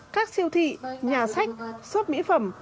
các siêu thị nhà sách sốt mỹ phẩm